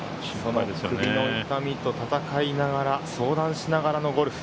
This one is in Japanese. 首の痛みと戦いながら、相談しながらのゴルフ。